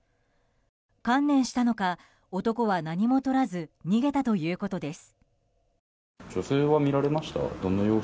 観念したのか男は何もとらず逃げたということです。